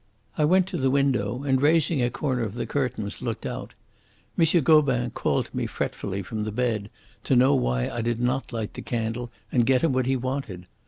I went to the window, and, raising a corner of the curtains, looked out. M. Gobin called to me fretfully from the bed to know why I did not light the candle and get him what he wanted.